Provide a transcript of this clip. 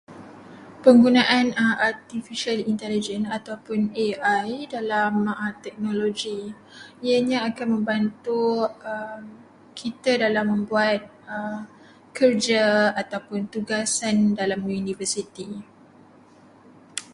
Penggunaan artificial intelligent atau pun AI dalam teknologi, ianya akan membantu kita dalam membuat kerja atau tugasan dalam universiti.